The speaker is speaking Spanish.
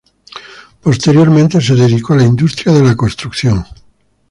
Posteriormente se dedicó a la industria de la construcción.